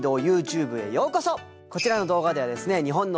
こちらの動画ではですね